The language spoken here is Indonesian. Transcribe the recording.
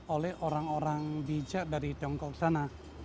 oleh orang orang bijak dari tiongkok sana